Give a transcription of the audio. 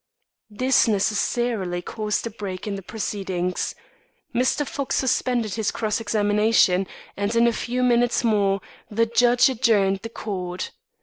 This necessarily caused a break in the proceedings. Mr. Fox suspended his cross examination and in a few minutes more, the judge adjourned the court.